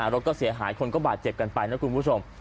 รถก็เสียหายคนก็บาดเจ็บกันไปนะคุณผู้ชม